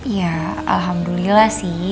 ya alhamdulillah sih